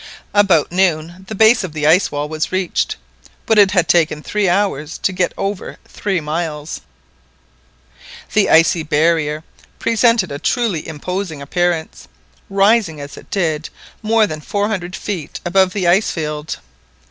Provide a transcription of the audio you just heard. About noon the base of the ice wall was reached, but it had taken three hours to get over three miles. The icy barrier presented a truly imposing appearance, rising as it did more than four hundred feet above the ice field.